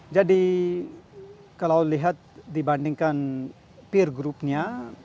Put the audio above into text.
jadi kalau dilihat dibandingkan peer group nya